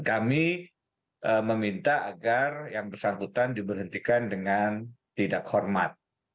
kami meminta agar yang bersangkutan diberhentikan dengan tidak hormat